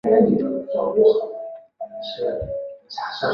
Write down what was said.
今北大东岛在行政区划上属于冲绳县岛尻郡北大东村管辖。